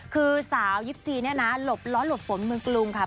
คือสาว๒๔เนี่ยนะหลบร้อนหลบฝนเมืองกรุงค่ะ